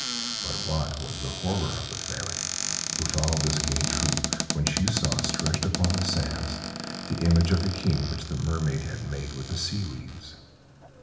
But what was the horror of the Fairy, who followed this gay troop, when she saw, stretched upon the sands, the image of the King which the Mermaid had made with the sea weeds.